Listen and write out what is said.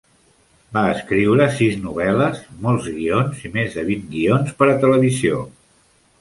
Va escriure sis novel·les, molts guions i més de vint guions per a televisió.